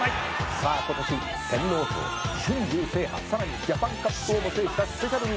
「さあ今年天皇賞春秋制覇」「さらにジャパンカップをも制したスペシャルウィークか」